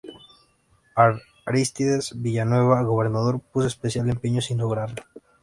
Arístides Villanueva, gobernador, puso especial empeño, sin lograrlo.